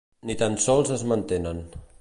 Ni tan sols es mantenen.